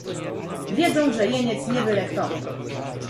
"Wiedzą, że jeniec nie byle kto."